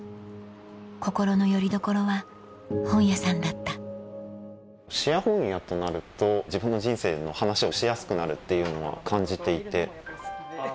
心のよりどころは本屋さんだったシェア本屋となると自分の人生の話をしやすくなるっていうのは感じていて。